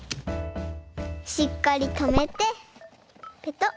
しっかりとめてペトッ。